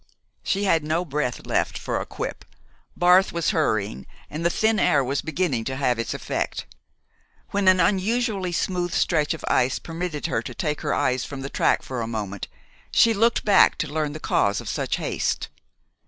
She had no breath left for a quip. Barth was hurrying, and the thin air was beginning to have its effect. When an unusually smooth stretch of ice permitted her to take her eyes from the track for a moment she looked back to learn the cause of such haste.